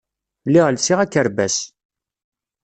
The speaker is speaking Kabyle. Lliɣ lsiɣ akerbas.